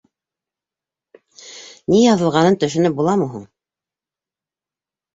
— Ни яҙылғанын төшөнөп буламы һуң?